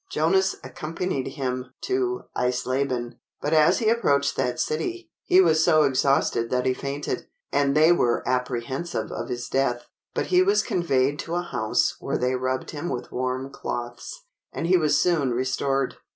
Jonas accompanied him to Eisleben; but as he approached that city, he was so exhausted that he fainted, and they were apprehensive of his death; but he was conveyed to a house where they rubbed him with warm cloths, and he was soon restored.